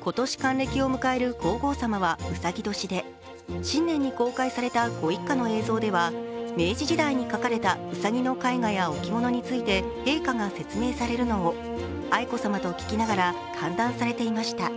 今年、還暦を迎える皇后さまはうさぎ年で新年に公開されたご一家の映像では明治時代に描かれたうさぎの絵画や置物について陛下が説明されるのを愛子さまと聞きながら歓談されていました。